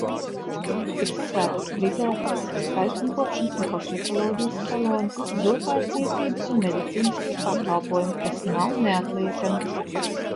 Tiks atvērtas frizētavas, skaistumkopšanas un kosmetoloģijas saloni, zobārstniecības un medicīniskie pakalpojumi, kas nav neatliekami.